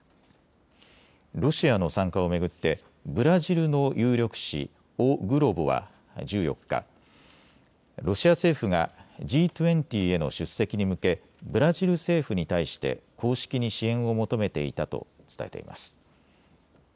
ロシアの参加を巡ってブラジルの有力紙、オ・グロボは１４日、ロシア政府がＧ２０への出席に向けブラジル政府に対して公式に支援を求めていたと伝えています。